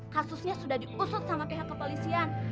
kasusnya sudah diusut sama pihak kepolisian